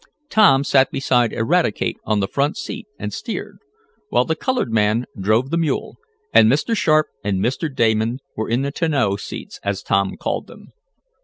Tom sat beside Eradicate on the front seat, and steered, while the colored man drove the mule, and Mr. Sharp and Mr. Damon were in the "tonneau" seats as Tom called them.